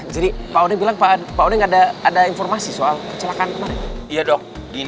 jadi pak oden bilang pak oden ada informasi soal kecelakaan kemarin